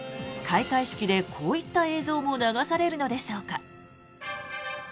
開会式でこういった映像も流されるのでしょうか。